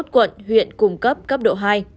hai mươi một quận huyện cùng cấp cấp độ hai